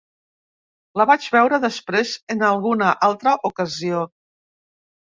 La vaig veure després, en alguna altra ocasió.